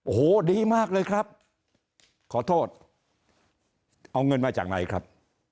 โอ้โหดีมากเลยครับขอโทษเอาเงินมาจากไหนครับ